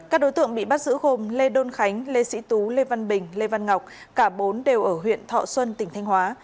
các đối tượng bị bắt giữ gồm lê đôn khánh lê sĩ tú lê văn bình lê văn ngọc cả bốn đều ở huyện thọ xuân tỉnh thanh hóa